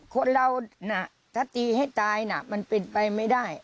คนเราถ้าตีให้ตายมันปิดไปไม่ได้